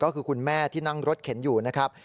ก็คือคุณแม่ที่นั่งรถเข็นอยู่นะครับ